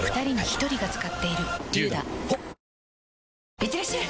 いってらっしゃい！